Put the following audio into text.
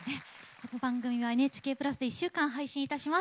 この番組はＮＨＫプラスで１週間配信します。